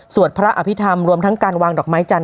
พระอภิษฐรรมรวมทั้งการวางดอกไม้จันท